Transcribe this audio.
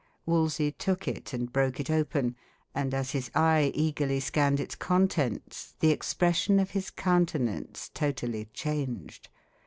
Wolsey took it, and broke it open; and as his eye eagerly scanned its contents, the expression of his countenance totally changed.